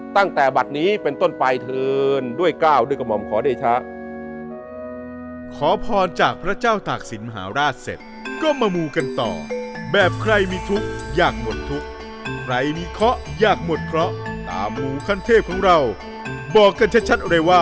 ตั้งแต่บัตรนี้เป็นต้นปลายเถินด้วยก้าวด้วยกมอมขอได้ชะ